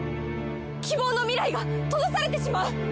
希望の未来が閉ざされてしまう！